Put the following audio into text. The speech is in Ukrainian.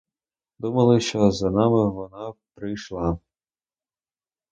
Думали, що за нами вона прийшла.